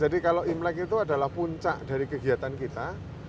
jadi kalau imlek itu adalah puncak dari kegiatan kita